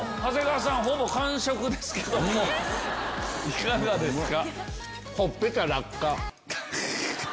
いかがですか？